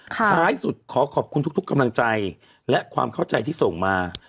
ท้ายสุดขอขอบคุณทุกกำลังใจและความเข้าใจที่ส่งมา